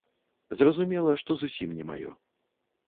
Зразумела, што зусім не маё.